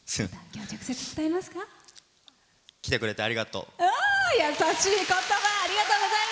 直接、伝えますか。来てくれてありがとう。